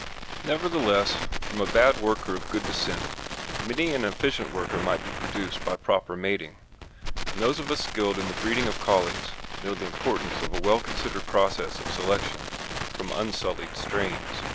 Nevertheless, from a bad worker of good descent many an efficient worker might be produced by proper mating, and those of us skilled in the breeding of Collies know the importance of a well considered process of selection from unsullied strains.